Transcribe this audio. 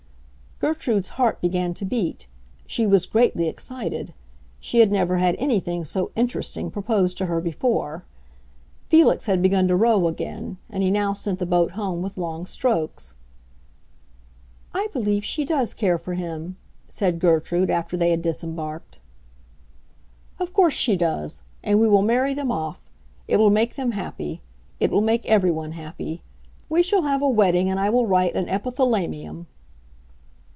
Gertrude's heart began to beat; she was greatly excited; she had never had anything so interesting proposed to her before. Felix had begun to row again, and he now sent the boat home with long strokes. "I believe she does care for him!" said Gertrude, after they had disembarked. "Of course she does, and we will marry them off. It will make them happy; it will make everyone happy. We shall have a wedding and I will write an epithalamium."